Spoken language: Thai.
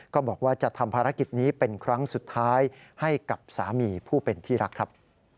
ก็บอกว่าจะทำภารกิจนี้เป็นครั้งสุดท้ายให้กับสามีผู้เป็นที่รักครับ